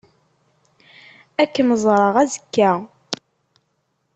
Ad kem-ẓṛeɣ azekka.